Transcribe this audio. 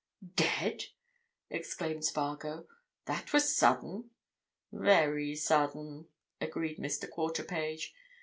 "Dead?" exclaimed Spargo. "That was sudden!" "Very sudden," agreed Mr. Quarterpage.